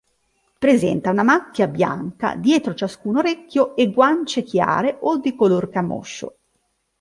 Presenta una macchia bianca dietro ciascun orecchio e guance chiare o di color camoscio.